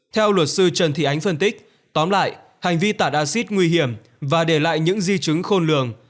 theo luật sư trần thị ánh phân tích tóm lại hành vi tả acid nguy hiểm và để lại những di chứng khôn lường